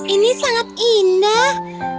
ini sangat indah